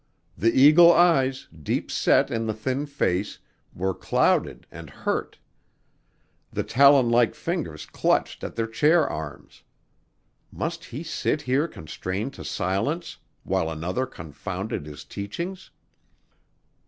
The eagle eyes, deep set in the thin face, were clouded and hurt. Tho talon like fingers clutched at their chair arms. Must he sit here constrained to silence, while another confounded his teachings?